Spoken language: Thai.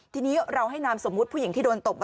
ทีนี้เราให้นามสมมุติผู้หญิงที่โดนตบ